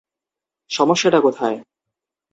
সমস্যাটা কোথায়?